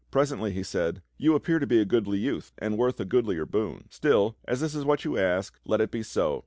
Presently he said: "You appear to be a goodly youtli, and worth a goodlier boon. Still, as this is what you ask, let it be so.